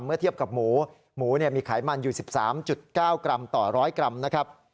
เมื่อเทียบกับหมูหมูมีไขมันอยู่๑๓๙กรัมต่อร้อยกรัมนะครับ